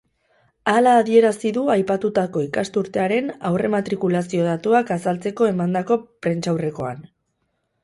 Hala adierazi du aipatutako ikasturtearen aurrematrikulazio datuak azaltzeko emandako prentsaurrekoan.